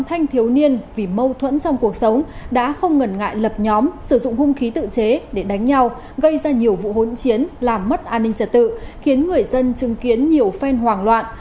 thanh thiếu niên vì mâu thuẫn trong cuộc sống đã không ngần ngại lập nhóm sử dụng hung khí tự chế để đánh nhau gây ra nhiều vụ hỗn chiến làm mất an ninh trật tự khiến người dân chứng kiến nhiều phen hoảng loạn